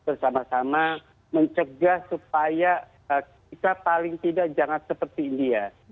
bersama sama mencegah supaya kita paling tidak jangan seperti india